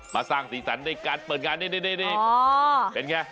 สร้างสีสันในการเปิดงานนี่เป็นไง